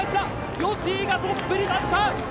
吉居がトップに立った！